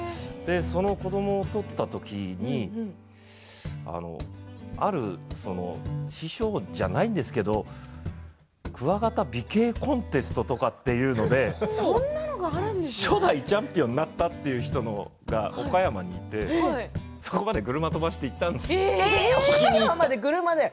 その子どもを取ったときにある師匠ではないんですけどクワガタ美形コンテストとかいうので初代チャンピオンになったという人が岡山にいてそこまで車を飛ばして行ったんです。